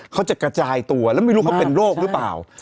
เขาจะกระจายตัวแล้วไม่รู้เขาเป็นโรคหรือเปล่า